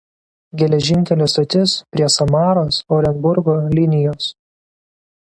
Geležinkelio stotis prie Samaros–Orenburgo linijos.